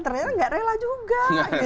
ternyata tidak rela juga